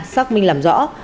xác minh lời